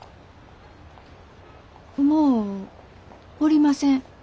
もうおりません。